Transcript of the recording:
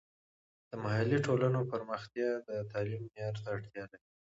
د محلي ټولنو پرمختیا د تعلیم معیار ته اړتیا لري.